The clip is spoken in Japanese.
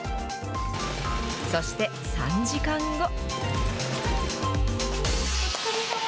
そして、３時間後。